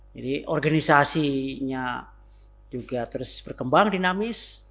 jadi organisasinya juga terus berkembang dinamis